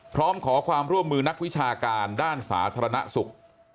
พร้อมขอความร่วมมือนักวิชาการด้านสาธารณสุข